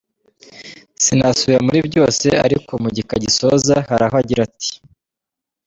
Sinasubira muri byose ariko mu gika gisoza hari aho agira ati :